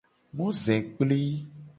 Mozekpli.